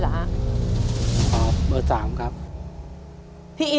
ตัวเลือกที่๓